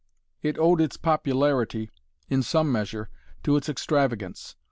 It owed its popularity in some measure to its extravagance.